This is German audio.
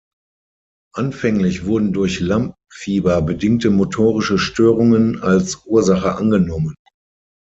Anfänglich wurden durch „Lampenfieber“ bedingte motorische Störungen als Ursache angenommen.